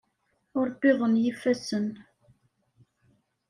Ur wwiḍen yifassen.